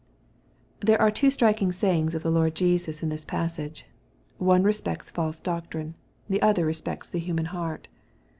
Thebe are two striking sayings of the Lord Jesus in this passage. One respects false doctrine. The other respects the human heart.